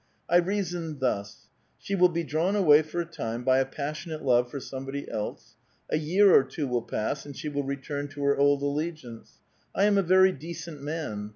I reasoned thus : she will be drawn away for a time by a passionate love for somebody else ; a year or two will pass and she will return to her old allegiance. I am a very decent man.